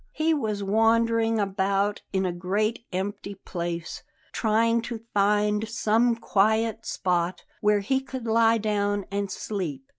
He was wandering about in a great empty place, trying to find some quiet spot where he could lie down and sleep.